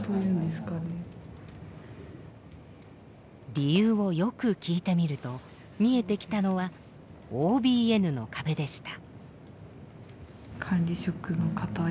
理由をよく聞いてみると見えてきたのはＯＢＮの壁でした。